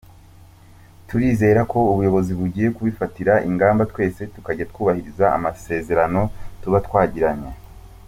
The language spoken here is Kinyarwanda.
Turizera ko ubuyobozi bugiye kubifatira ingamba twese tukajya twubahiriza amasezerano tuba twagiranye.